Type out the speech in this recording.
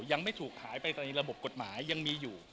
ยังไม่ถูกหายไปในระบบกฎหมายยังมีอยู่